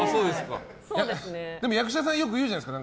役者さんはよく言うじゃないですか。